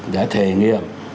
đã thể nghiệm